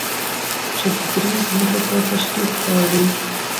چې د دريځ مخې ته تشریف راوړي